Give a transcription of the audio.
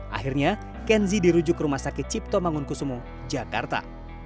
akhirnya kenzi dirujuk ke rumah sakit cipto mangunkusumo jakarta